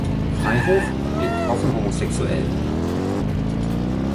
Freihof lebt offen homosexuell.